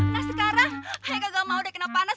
nah sekarang kayaknya gue gak mau deh kena panas